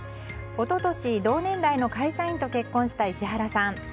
一昨年同年代の会社員と結婚した、石原さん。